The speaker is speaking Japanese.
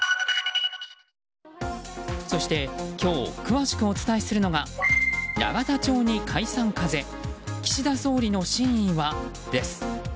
そして、今日詳しくお伝えするのが永田町に解散風岸田総理の真意はです。